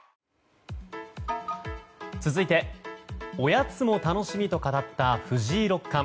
続いて、おやつも楽しみと語った藤井六冠。